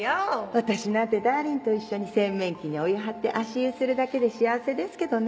私なんてダーリンと一緒に洗面器にお湯張って足湯するだけで幸せですけどね